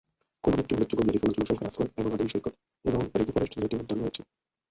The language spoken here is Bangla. কোলন একটি উল্লেখযোগ্য গ্যারিফুনা জনসংখ্যার আশ্রয় এবং আদিম সৈকত এবং রেইনফরেস্ট জাতীয় উদ্যান রয়েছে।